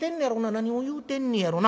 何を言うてんねやろな？